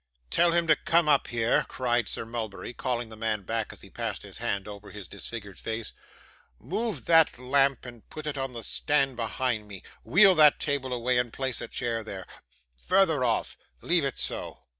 'Tell him to come up. Here,' cried Sir Mulberry, calling the man back, as he passed his hand over his disfigured face, 'move that lamp, and put it on the stand behind me. Wheel that table away, and place a chair there further off. Leave it so.